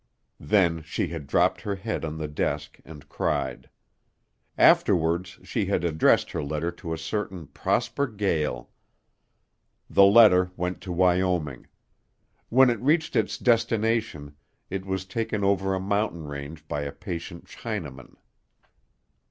Then she had dropped her head on the desk and cried. Afterwards she had addressed her letter to a certain Prosper Gael. The letter went to Wyoming. When it reached its destination, it was taken over a mountain range by a patient Chinaman.